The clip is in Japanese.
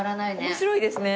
面白いですね。